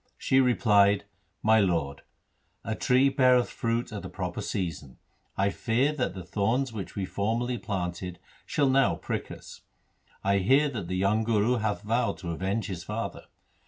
She replied, ' My lord, a tree beareth fruit at the proper season ; I fear that the thorns which we formerly planted shall now prick us. I hear that the young Guru hath vowed to avenge his father.